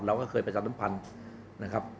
เราก็เคยประชาสัมพันธ์นะครับ